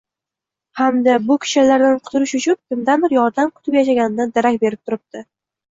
hamda bu kishanlardan qutulish uchun kimdandir yordam kutib yashaganidan darak berib turibdi.